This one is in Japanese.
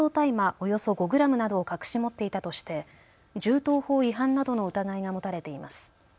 およそ５グラムなどを隠し持っていたとして銃刀法違反などの疑いが持たれています。